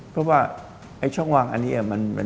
เพราะว่าไอ้ช่องวางอันนี้